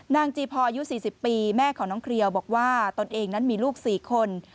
จีพออายุ๔๐ปีแม่ของน้องเครียวบอกว่าตนเองนั้นมีลูก๔คน